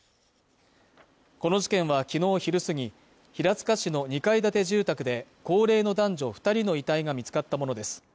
この事件は昨日昼すぎ平塚市の２階建て住宅で高齢の男女二人の遺体が見つかったものです